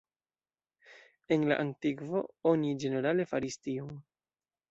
En la antikvo oni ĝenerale faris tion.